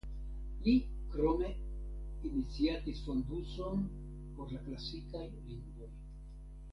Li krome iniciatis fonduson por la klasikaj lingvoj.